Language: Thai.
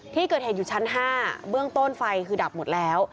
ที่เกิดเหตุอยู่ชั้น๕เบื้องต้นไฟคือดับหมดแล้ว